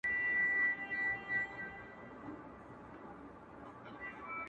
پر غوږونو ښې لګېږي او خوږې دي؛